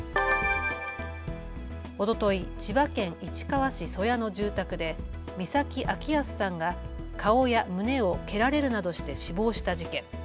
おととい千葉県市川市曽谷の住宅で美崎明保さんが顔や胸を蹴られるなどして死亡した事件。